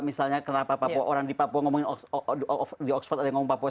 misalnya kenapa orang di papua ngomongin di oxford ada yang ngomong papua